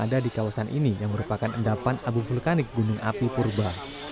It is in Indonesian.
ada di kawasan ini yang merupakan endapan abu vulkanik gunung api purba